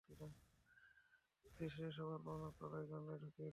রাত্রিশেষে সবার পাওনা কড়ায় গন্ডায় চুকিয়ে দেব।